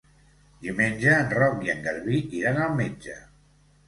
Diumenge en Roc i en Garbí iran al metge.